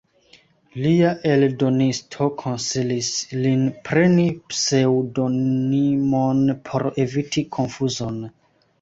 Lia eldonisto konsilis lin preni pseŭdonimon por eviti konfuzon.